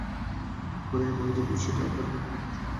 ওখানে কীভাবে যাবো, সেটা বের করা লাগবে শুধু।